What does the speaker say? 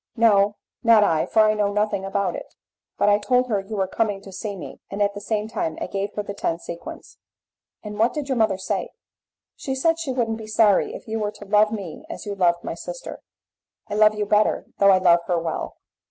"No, not I, for I know nothing about it; but I told her you were coming to see me, and at the same time I gave her the ten sequins." "And what did your mother say?" "She said she wouldn't be sorry if you were to love me as you loved my sister." "I love you better, though I love her well."